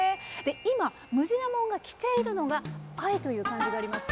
今、ムジナもんが着ているのが「藍」という漢字があります